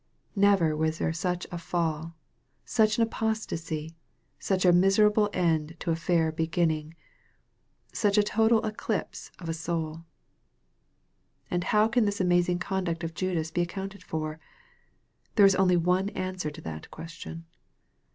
Never was there such a fall, such an apostacy, such a miserable end to a fair begin ning such a total eclipse of a soul ! And how can this amazing conduct of Judas be ac counted for ? There is only one answer to that question.